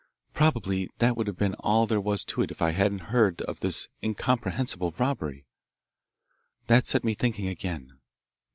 Probably that would have been all there was to it if I hadn't heard of this incomprehensible robbery. That set me thinking again.